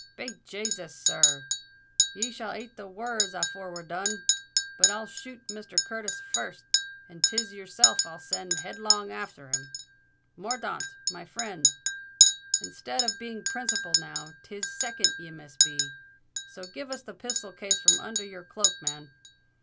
"Be Jasus; sir r—ye shall ate the wor rds afore we're done. But I'll shoot Mr. Curtis first; and 'tis yourself I'll send headlong afther him. Morthaunt, my frind, instead of being principal now, 'tis second ye must be. So give us the pisthol case from under your cloak, man."